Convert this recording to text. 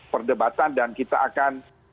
perdebatan dan kita akan